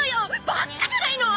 バッカじゃないの！